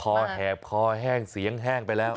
แหบคอแห้งเสียงแห้งไปแล้ว